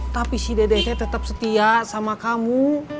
tapi si dede teh tetap setia sama kamu